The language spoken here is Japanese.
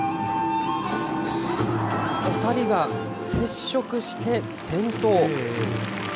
２人が接触して転倒。